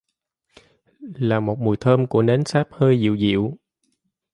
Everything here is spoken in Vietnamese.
Là một mùi thơm của nến sáp hơi Dịu Dịu